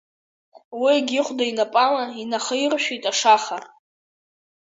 Уигь ихәда инапала инахаиршәит ашаха.